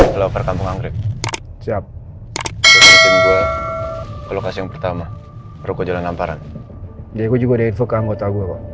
hai lo perkampungan grip siap gue lokasi yang pertama rokok jalan amparan dia juga